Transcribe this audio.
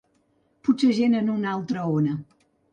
Potser gent en una altra ona.